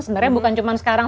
sebenarnya bukan cuma sekarang